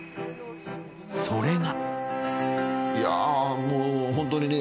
それが。